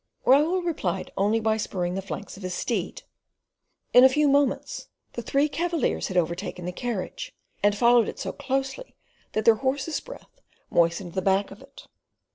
Raoul replied only by spurring the flanks of his steed. In a few moments the three cavaliers had overtaken the carriage, and followed it so closely that their horses' breath moistened the back of it.